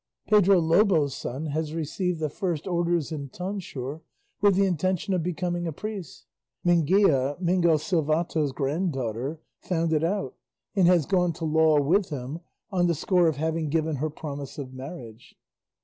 Pedro Lobo's son has received the first orders and tonsure, with the intention of becoming a priest. Minguilla, Mingo Silvato's granddaughter, found it out, and has gone to law with him on the score of having given her promise of marriage.